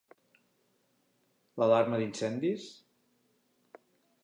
L'alarma d'incendis?